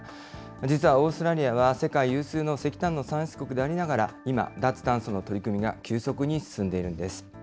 実はオーストラリアは世界有数の石炭の産出国でありながら、今、脱炭素の取り組みが急速に進んでいるんです。